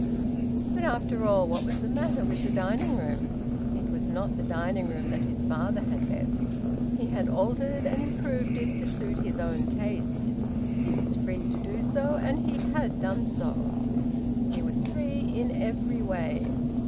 But after all, what was the matter with the dining room? It was not the dining room that his father had left. He had altered and improved it to suit his own taste. He was free to do so, and he had done so. He was free in every way.